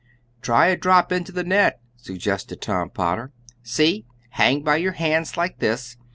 "Try a drop into the net," suggested Tom Potter. "See, hang by your hands, like this.